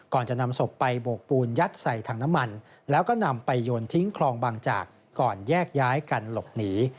ก่อนจะนำศพไปโบกปูนยัดใส่ถังน้ำมันแล้วก็นำไปโยนทิ้งคลองบางจากก่อนแยกย้ายกันหลบหนี